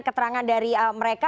keterangan dari mereka